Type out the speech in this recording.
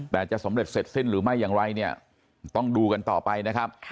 แต่จะสำเร็จเสร็จสิ้นหรือไม่อย่างไรเนี่ยต้องดูกันต่อไปนะครับ